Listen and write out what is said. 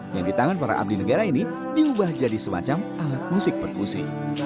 yang di tangan para abdi negara ini diubah jadi semacam alat musik perkusi